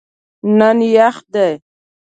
نن یخ دی